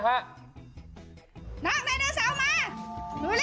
นักไดโนเสาร์มา